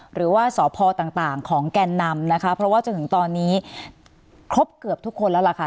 หรือว่าสพต่างของแก่นนำนะคะเพราะว่าจนถึงตอนนี้ครบเกือบทุกคนแล้วล่ะค่ะ